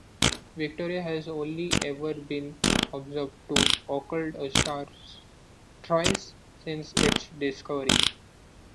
Victoria has only ever been observed to occult a star thrice since its discovery.